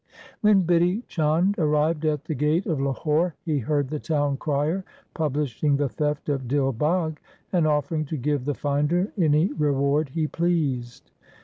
When Bidhi Chand arrived at the gate of Lahore he heard the town crier publishing the theft of Dil Bagh, and offering to give the finder any reward he pleased.